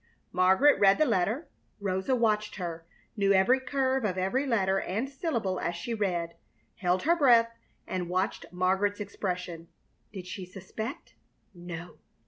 Margaret read the letter. Rosa watched her, knew every curve of every letter and syllable as she read, held her breath, and watched Margaret's expression. Did she suspect? No.